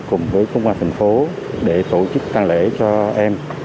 cùng với công an thành phố để tổ chức tăng lễ cho em